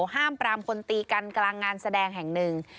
ห้ามปรามคนตีกันกลางงานแสดงแห่งหนึ่ง